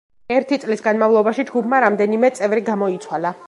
ერთი წლის განმავლობაში ჯგუფმა რამდენიმე წევრი გამოიცვალა.